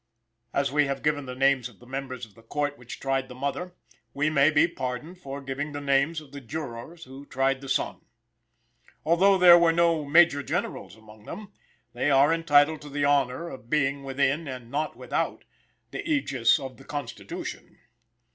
As we have given the names of the members of the Court which tried the mother, we may be pardoned for giving the names of the jurors who tried the son. Although there were no major generals among them, they are entitled to the honor of being within, and not without, the ægis of the Constitution.